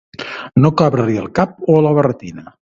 No cabre-li al cap o a la barretina.